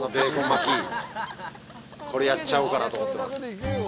これやっちゃおうかなと思ってます。